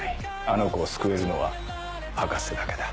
あの子を救えるのは博士だけだ。